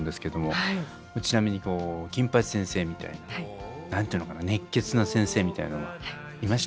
ちなみに金八先生みたいな何ていうのかな熱血な先生みたいなのはいました？